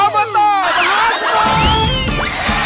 อบตมหาสนุก